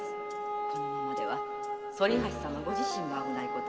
〔このままでは反橋様ご自身が危ないことに〕